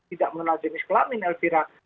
tidak mengenal jenis kelamin elvira